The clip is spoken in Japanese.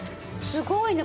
すごいね！